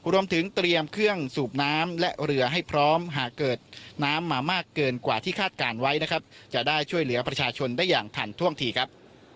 รวมถึงเตรียมเครื่องสูบน้ำและเรือให้พร้อมหากเกิดน้ำมามากเกินกว่าที่คาดการณ์ไว้นะครับจะได้ช่วยเหลือประชาชนได้อย่างทันท่วงทีครับ